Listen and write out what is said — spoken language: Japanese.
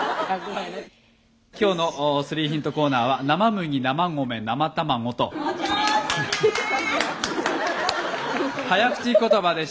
今日の３ヒントコーナーは早口言葉でした。